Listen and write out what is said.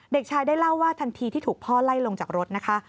เด็กชายได้เล่าว่าทันทีที่ถูกพ่อไล่ลงจากรถนะคะ